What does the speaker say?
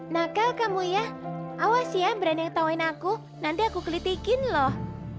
nakal kamu ya awas ya brand yang tauin aku nanti aku kritikin loh